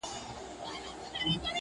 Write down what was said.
ستا دي په یاد وي چي دا ښکلی وطن!!